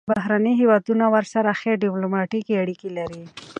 بهرني هیوادونه ورسره ښې ډیپلوماتیکې اړیکې لري.